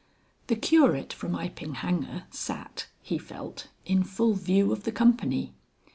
The Curate from Iping Hanger sat (he felt) in full view of the company.